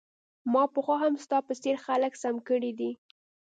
ما پخوا هم ستا په څیر خلک سم کړي دي